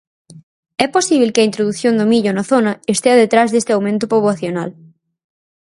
É posíbel que a introdución do millo na zona estea detrás deste aumento poboacional.